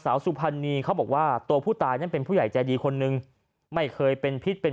สุพรรณีเขาบอกว่าตัวผู้ตายนั้นเป็นผู้ใหญ่ใจดีคนนึงไม่เคยเป็นพิษเป็น